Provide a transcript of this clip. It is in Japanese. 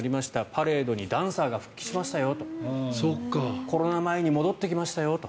パレードにダンサーが復帰しましたよとコロナ前に戻ってきましたよと。